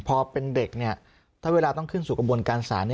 พอเป็นเด็กถ้าเวลาต้องขึ้นสู่กระบวนการศาล